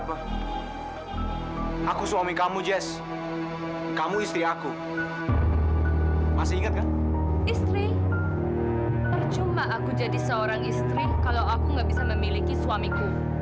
bak aku ini cintanya cuma sama mano